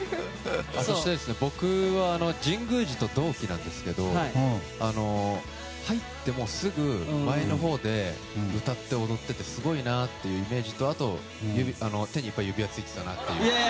僕は神宮寺と同期なんですけど入ってすぐ前のほうで歌って踊っていてすごいなというイメージとあと、手にいっぱい指輪ついてたなっていう。